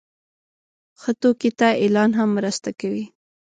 ښه توکي ته اعلان هم مرسته کوي.